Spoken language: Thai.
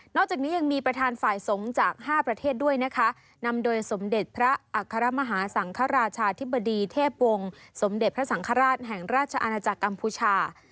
จากนี้ยังมีประธานฝ่ายสงฆ์จาก๕ประเทศด้วยนะคะนำโดยสมเด็จพระอัครมหาสังคราชาธิบดีเทพวงศ์สมเด็จพระสังฆราชแห่งราชอาณาจักรกัมพูชา